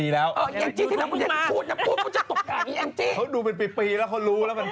เค้ารู้แล้วก็ดูว่าเป็นปีแล้ว